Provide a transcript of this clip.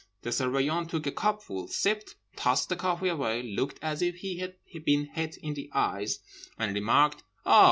The Surveillant took a cupful; sipped; tossed the coffee away, looking as if he had been hit in the eyes, and remarked, 'Ah.